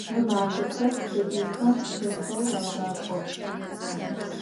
Mı mafexer sabıyxem çefeu ağak'o.